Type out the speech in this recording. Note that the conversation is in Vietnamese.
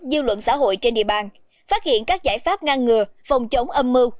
dư luận xã hội trên địa bàn phát hiện các giải pháp ngăn ngừa phòng chống âm mưu